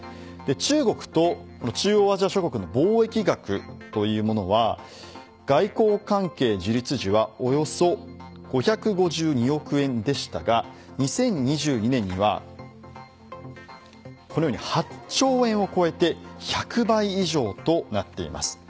中国と中央アジア諸国の貿易額というものは外交関係樹立時は、およそ５５２億円でしたが２０２２年にはこのように８兆円を超えて１００倍以上となっています。